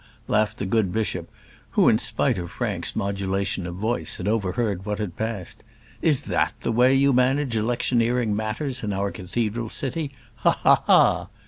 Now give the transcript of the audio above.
laughed the good bishop, who, in spite of Frank's modulation of voice, had overheard what had passed. "Is that the way you manage electioneering matters in our cathedral city? Ha ha ha!"